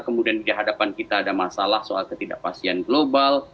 kemudian di hadapan kita ada masalah soal ketidakpastian global